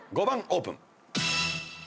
５番オープン。